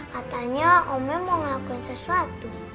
katanya omnya mau ngelakuin sesuatu